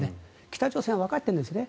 北朝鮮はわかってるんですね。